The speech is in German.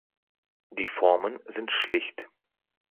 Die Formen sind schlicht.